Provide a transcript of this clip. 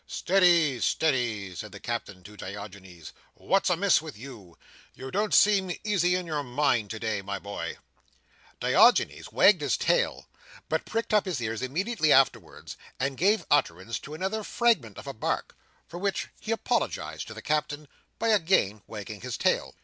"Steady, steady!" said the Captain to Diogenes, "what's amiss with you? You don't seem easy in your mind tonight, my boy!" Diogenes wagged his tail, but pricked up his ears immediately afterwards, and gave utterance to another fragment of a bark; for which he apologised to the Captain, by again wagging his tail.